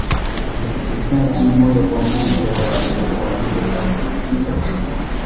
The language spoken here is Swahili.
m msikilizaji moja kwa moja nikualike sasa katika